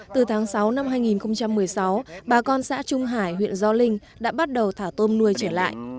từ tháng sáu năm hai nghìn một mươi sáu bà con xã trung hải huyện gio linh đã bắt đầu thả tôm nuôi trở lại